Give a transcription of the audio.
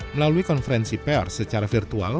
melalui konferensi pers secara virtual